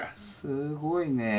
すごいね。